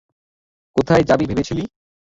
কোথায় যাবি ভেবেছিলি?